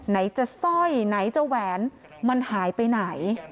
ไหนจะสร้อยไหนจะแหวนมันหายไปไหน